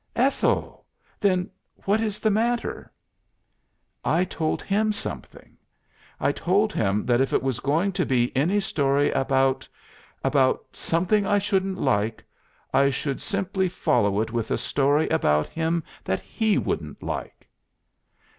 "Ethel! Then what is the matter?" "I told him something. I told him that if it was going to be any story about about something I shouldn't like, I should simply follow it with a story about him that he wouldn't like."